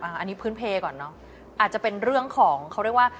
อันนี้พื้นเพลก่อนเนอะอาจจะเป็นเรื่องของเขาเรียกว่า